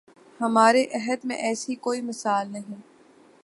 ہمارے عہد میں ایسی کوئی مثال نہیں